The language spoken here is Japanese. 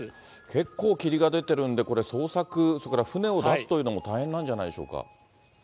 結構、霧が出てるんで、これ、捜索、それから船を出すというのも大変なんじゃないでしょうか。